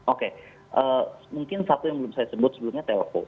oke mungkin satu yang belum saya sebut sebelumnya telpo